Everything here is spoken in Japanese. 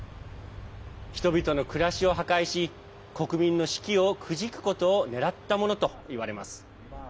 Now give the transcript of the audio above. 人々の暮らしを破壊し国民の士気をくじくことをねらったものといわれます。